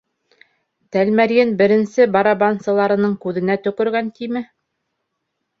Тәлмәрйен беренсе барабансыларының күҙенә төкөргән тиме.